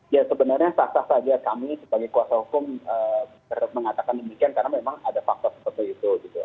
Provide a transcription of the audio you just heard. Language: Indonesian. ya sebenarnya sah sah saja kami sebagai kuasa hukum mengatakan demikian karena memang ada fakta seperti itu